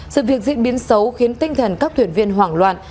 sự việc diễn biến xấu khiến tinh thần các thuyền viên hoảng loạn